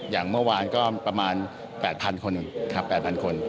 อย่างเมื่อวานก็ประมาณ๘๐๐๐คน